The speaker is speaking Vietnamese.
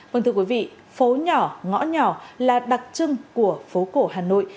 vâng thưa quý vị phố nhỏ ngõ nhỏ là đặc trưng của phố cổ hà nội